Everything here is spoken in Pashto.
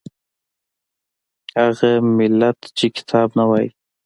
هغه ملت چې کتاب نه وايي